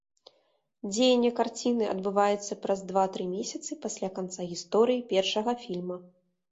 Дзеянне карціны адбываецца праз два-тры месяцы пасля канца гісторыі першага фільма.